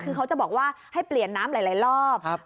คือเขาจะบอกว่าให้เปลี่ยนน้ำหลายรอบ